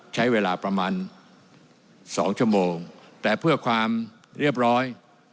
ใช้เวลาประมาณสองชั่วโมงแต่เพื่อความเรียบร้อย